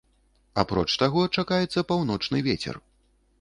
Апроч таго чакаецца паўночны вецер.